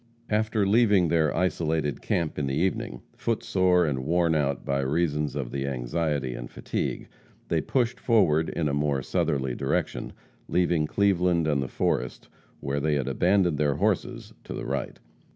After leaving their isolated camp in the evening, foot sore and worn out by reason of the anxiety and fatigue, they pushed forward in a more southerly direction, leaving Cleveland and the forest where they had abandoned their horses to the right.